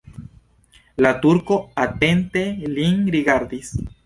La turko atente lin rigardis.